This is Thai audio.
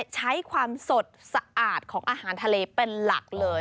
ใช้ความสดสะอาดของอาหารทะเลเป็นหลักเลย